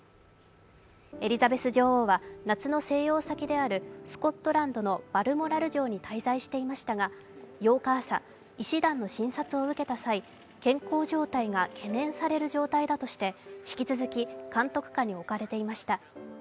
エリザベス女王は夏の静養先であるスコットランドのバルモラル城に滞在していましたが８日朝、医師団の診察を受けた際健康状態が懸念される状態だとして、引き続き監督下に置かれていました。